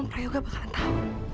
om prayoga bakalan tahu